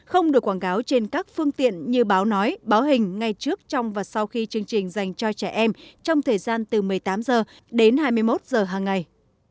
không được quảng cáo trên các phương tiện như báo nói báo hình ngay trước trong và sau khi chương trình dành cho trẻ em trong thời gian từ một mươi tám h đến hai mươi một h hàng ngày